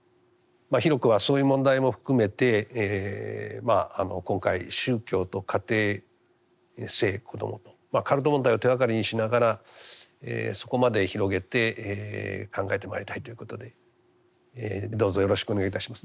広くはそういう問題も含めて今回宗教と家庭・性・子どもとカルト問題を手がかりにしながらそこまで広げて考えてまいりたいということでどうぞよろしくお願いいたします。